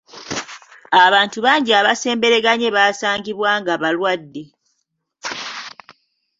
Abantu bangi abasembereganye baasangibwa nga balwadde.